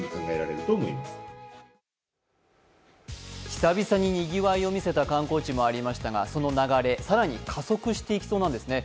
久々ににぎわいを見せた観光地もありましたがその流れ、更に加速していきそうなんですね。